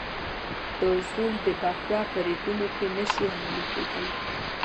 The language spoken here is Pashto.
دا اصول د بکواه په ریګونو کې نه شي عملي کېدلای.